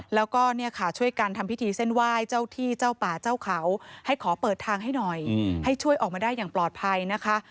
แล้วก็เนี่ยค่ะช่วยกันทำพิธีเส้นไหว้เจ้าที่เจ้าป่าเจ้าเขาให้ขอเปิดทางให้หน่อยให้ช่วยออกมาได้อย่างปลอดภัยนะคะ